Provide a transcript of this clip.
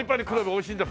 おいしいんだ？